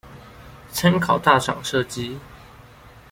參考大廠設計